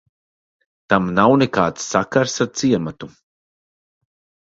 Tam nav nekāds sakars ar ciematu.